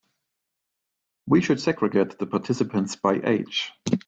We should segregate the participants by age.